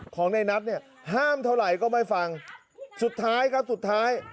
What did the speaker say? ของในนัทเนี่ยห้ามเท่าไหร่ก็ไม่ฟังสุดท้ายครับสุดท้าย